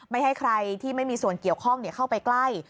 ไม่ให้ใครที่ไม่มีส่วนเกี่ยวข้องเข้าไปใกล้